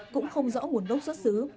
cũng không rõ nguồn gốc xuất xứ